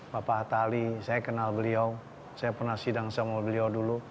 saya kenal beliau saya pernah sidang sama beliau dulu